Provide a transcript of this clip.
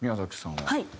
はい。